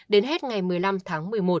đến hết ngày một mươi năm tháng một mươi một